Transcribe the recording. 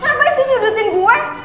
ngapain sih judutin gue